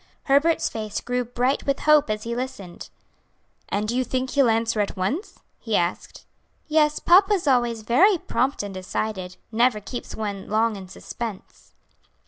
Herbert's face grew bright with hope as he listened. "And do you think he'll answer at once?" he asked. "Yes, papa is always very prompt and decided; never keeps one long in suspense."